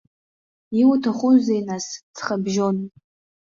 Иуҭахузеи, нас, ҵхабжьон?